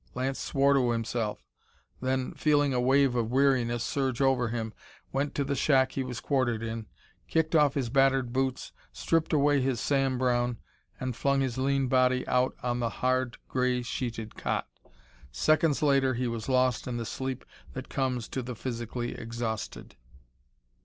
Lance swore to himself; then, feeling a wave of weariness surge over him, went to the shack he was quartered in, kicked off his battered boots, stripped away his Sam Browne, and flung his lean body out on the hard, gray sheeted cot. Seconds later he was lost in the sleep that comes to the physically exhausted.